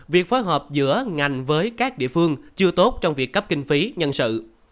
việc phối hợp giữa ngành với các địa phương chưa tốt trong việc cấp kinh phí nhân sự